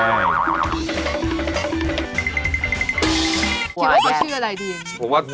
คิดว่าจะชื่ออะไรดี